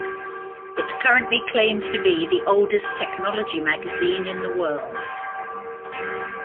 It currently claims to be the oldest technology magazine in the world.